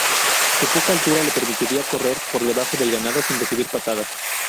Su poca altura le permitía correr por debajo del ganado sin recibir patadas.